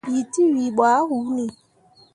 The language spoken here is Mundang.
Bii tewii ɓo ah hunni.